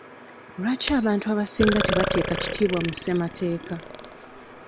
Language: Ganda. Lwaki abantu abasinga tebateeka kitiibwa mu ssemateeka?